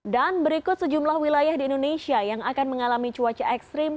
dan berikut sejumlah wilayah di indonesia yang akan mengalami cuaca ekstrim